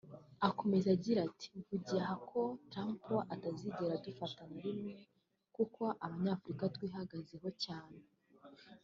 Akomeza agira ati “Mvugiye aha ko Trump atazigera adufata na rimwe kuko Abanyafurika twihagazeho cyane